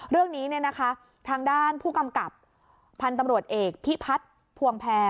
เรื่องนี้ทางด้านผู้กำกับพันธุ์ตำรวจเอกพิพัฒน์ภวงแพร